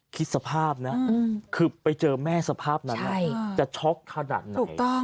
คิดสภาพนะคือไปเจอแม่สภาพนั้นจะช็อกขนาดไหน